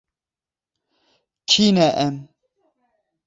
Kî ne em?